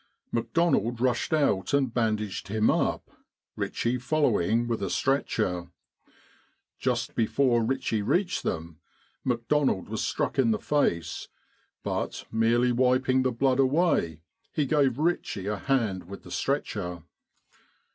McDonald rushed out and bandaged him up, Ritchie following with a stretcher. Just before Ritchie reached them McDonald was struck in the face, but 97 With the R.A.M.C. in Egypt merely wiping the blood away, he gave Ritchie a hand with the stretcher.